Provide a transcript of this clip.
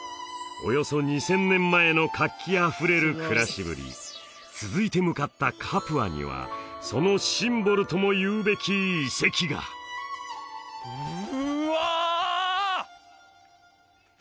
およそ２０００年前の活気あふれる暮らしぶり続いて向かったカプアにはそのシンボルともいうべき遺跡がうわ！